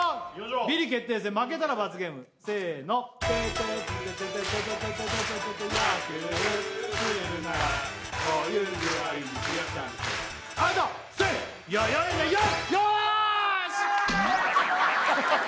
ビリ決定戦負けたら罰ゲームせーのよーし！